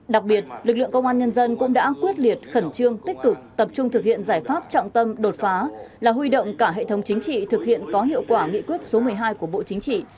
đặc biệt lực lượng công an nhân dân cũng đã quyết liệt khẩn trương tích cực tập trung thực hiện giải pháp trọng tâm đột phá là huy động cả hệ thống chính trị thực hiện có hiệu quả nghị quyết số một mươi hai của bộ chính trị